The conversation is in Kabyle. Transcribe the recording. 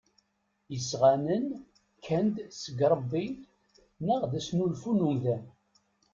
Isɣanen kkan-d seg Ṛebbi neɣ d asnulfu n umdan?